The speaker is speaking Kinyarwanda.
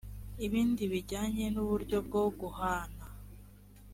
ibindi bijyanye n uburyo bwo guhana